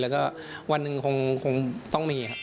แล้วก็วันหนึ่งคงต้องมีครับ